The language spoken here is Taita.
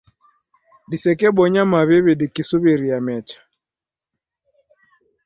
Disekebonya mawiwi dikisuw'iria mecha